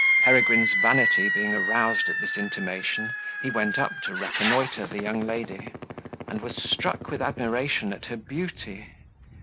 Peregrine's vanity being aroused at this intimation, he went up to reconnoitre the young lady, and was struck with admiration at her beauty.